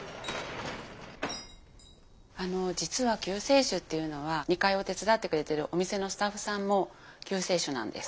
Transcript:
あの実は救世主っていうのは２階を手伝ってくれてるお店のスタッフさんも救世主なんです。